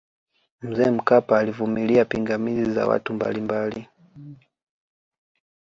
mzee mkapa alivumilia pingamizi za watu mbalimbali